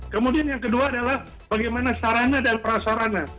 kemudian yang kedua adalah bagaimana sarana dan prasarana